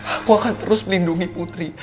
aku akan terus melindungi putri